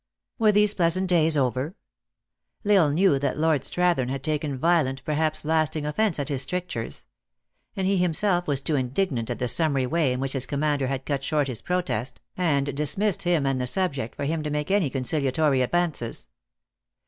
Were these pleasant days over? L Isle knew that Lord Strathern had taken violent, perhaps lasting of fence at his strictures ; and he himself was too indig nant at the summary way in which his commander had cut short his protest, and dismissed him and the subject, for him to make any conciliatory advances.